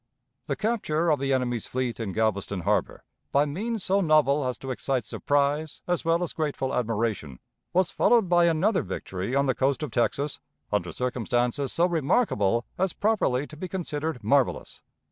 The capture of the enemy's fleet in Galveston Harbor, by means so novel as to excite surprise as well as grateful admiration, was followed by another victory on the coast of Texas, under circumstances so remarkable as properly to be considered marvelous.